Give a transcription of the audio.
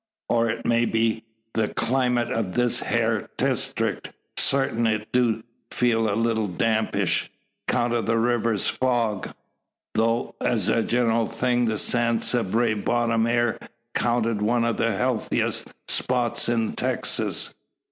Or, it may be, the klimat o' this hyar destrict. Sartin it do feel a leetle dampish, 'count o' the river fog; tho', as a general thing, the San Sabre bottom air 'counted one o' the healthiest spots in Texas.